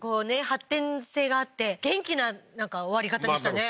発展性があって元気な終わり方でしたね